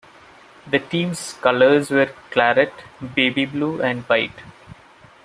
The team's colors were claret, baby blue and white.